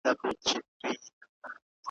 سپېده داغ ته یې د شپې استازی راسي `